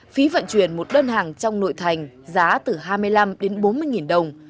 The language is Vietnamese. phí vận chuyển một đơn hàng trong nội thành giá từ hai mươi năm đến bốn mươi đồng